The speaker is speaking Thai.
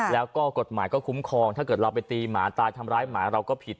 แล้วก็กฎหมายก็คุ้มครองถ้าเกิดเราไปตีหมาตายทำร้ายหมาเราก็ผิด